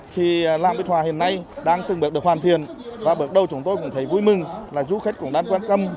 thì làng bích hòa hiện nay đang từng bước được hoàn thiện và bước đầu chúng tôi cũng thấy vui mừng là du khách cũng đang quan tâm